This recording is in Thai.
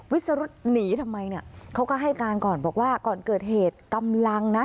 วิสรุธหนีทำไมเนี่ยเขาก็ให้การก่อนบอกว่าก่อนเกิดเหตุกำลังนะ